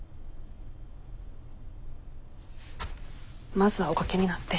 まずはお掛けになって。